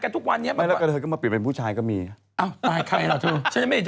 อ้าวคุณขออ่านไปก่อนเดี๋ยวไม่เขียนให้บ้าง